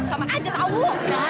sama aja tau